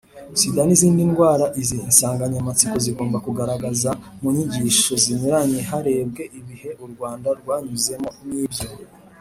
sida n’izindi ndwara...Izi nsanganyamatsiko zigomba kugaragara mu nyigisho zinyuranye harebwe ibihe u Rwanda rwanyuzemo n’ibyo